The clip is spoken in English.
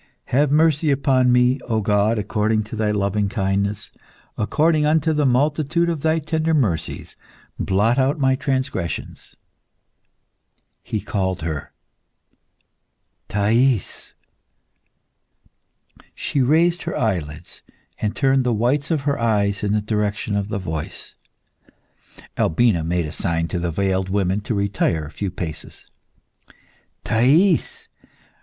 _"Have mercy, upon me, O God, according to Thy loving kindness: according unto the multitude of Thy tender mercies blot out my transgressions."_ He called her "Thais!" She raised her eyelids, and turned the whites of her eyes in the direction of the voice. Albina made a sign to the veiled women to retire a few paces. "Thais!"